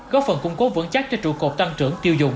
góp phần cung cố vững chắc cho trụ cột tăng trưởng tiêu dùng